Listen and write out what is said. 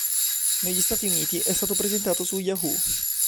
Negli Stati Uniti è stato presentato su Yahoo!